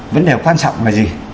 vấn đề quan trọng là gì